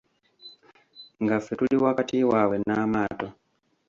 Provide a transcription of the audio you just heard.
Nga ffe tuli wakati waabwe n'amaato.